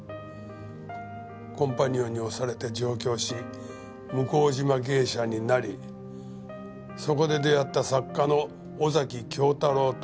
コンパニオンに推されて上京し向島芸者になりそこで出会った作家の尾崎鏡太郎と。